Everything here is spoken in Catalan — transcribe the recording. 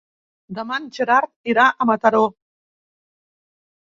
Demà en Gerard irà a Mataró.